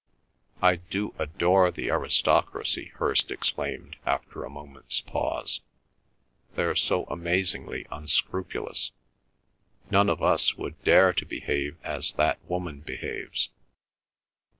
"I do adore the aristocracy!" Hirst exclaimed after a moment's pause. "They're so amazingly unscrupulous. None of us would dare to behave as that woman behaves."